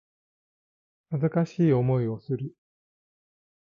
恥ずかしい思いをする